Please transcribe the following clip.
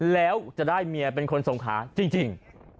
แล้วจะได้เมียเป็นคนสงขาจริง